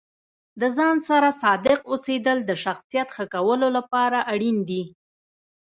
د ځان سره صادق اوسیدل د شخصیت ښه کولو لپاره اړین دي.